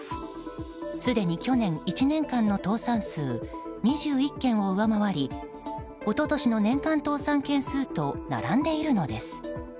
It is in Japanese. すでに去年１年間の倒産数２１件を上回り一昨年の年間倒産件数と並んでいるのです。